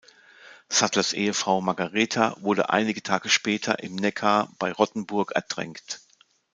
Sattlers Ehefrau Margaretha wurde einige Tage später im Neckar bei Rottenburg ertränkt.